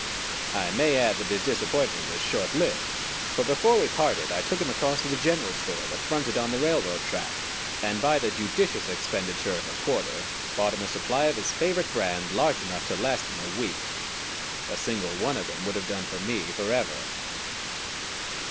I may add that his disappointment was short lived; for before we parted I took him across to the general store that fronted on the railroad track, and by the judicious expenditure of a quarter bought him a supply of his favorite brand large enough to last him a week. A single one of them would have done for me forever.